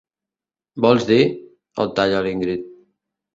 Vols dir? —el talla l'Ingrid.